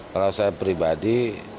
kalau saya pribadi